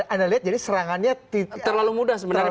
anda lihat jadi serangannya tidak terlalu mudah untuk dipatahkan